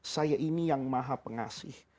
saya ini yang maha pengasih